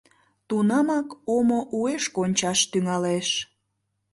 Тунамак омо уэш кончаш тӱҥалеш.